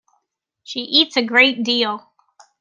She eats a great deal.